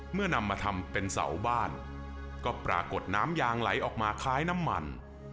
นำมาทำเป็นเสาบ้านก็ปรากฏน้ำยางไหลออกมาคล้ายน้ำมัน